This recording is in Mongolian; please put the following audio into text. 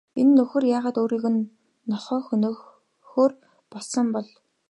Энэ нөхөр яагаад өөрийнхөө нохойг хөнөөхөөр болсон юм бол?